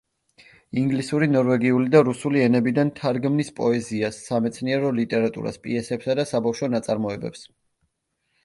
ინგლისური, ნორვეგიული და რუსული ენებიდან თარგმნის პოეზიას, სამეცნიერო ლიტერატურას, პიესებსა და საბავშვო ნაწარმოებებს.